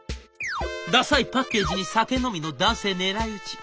ダサいパッケージに酒飲みの男性狙い撃ち。